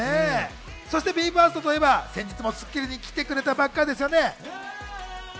そしてＢＥ：ＦＩＲＳＴといえば先日も『スッキリ』に来てくれたばっかりですよね。